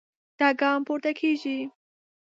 دا ګام پورته کېږي.